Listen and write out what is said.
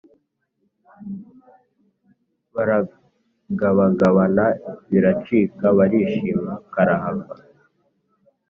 Baragabagabana biracika barishima karahava